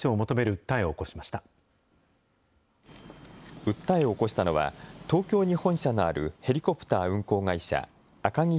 訴えを起こしたのは、東京に本社のあるヘリコプター運航会社、アカギ